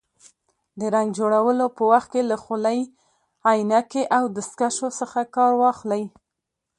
د رنګ جوړولو په وخت کې له خولۍ، عینکې او دستکشو څخه کار واخلئ.